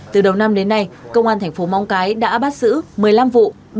từ đầu năm đến nay công an tp móng cái đã bắt xử một mươi năm vụ